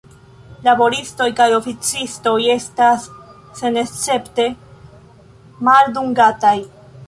Laboristoj kaj oﬁcistoj estas senescepte maldungataj.